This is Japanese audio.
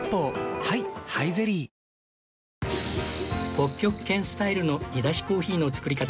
北極圏スタイルの煮出しコーヒーの作り方